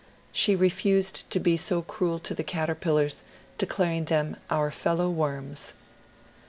She refused to be so cruel to the caterpillars, declaring them '* our fellow worms."